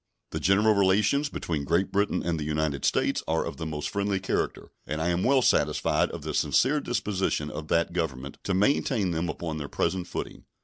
The general relations between Great Britain and the United States are of the most friendly character, and I am well satisfied of the sincere disposition of that Government to maintain them upon their present footing.